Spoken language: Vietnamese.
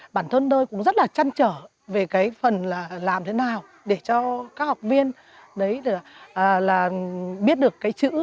bản thân tôi cũng rất là chăn trở về phần làm thế nào để cho các học viên biết được cái chữ